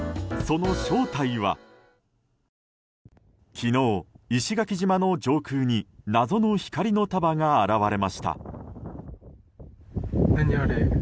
昨日、石垣島の上空に謎の光の束が現れました。